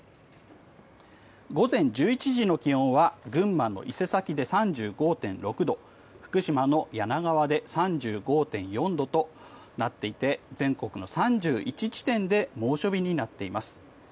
午前１１時の気温は群馬の伊勢崎で３５．６度福島の梁川で３５．４度となっていて全国の３１地点で猛暑日になっています。